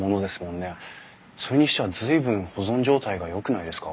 それにしては随分保存状態がよくないですか？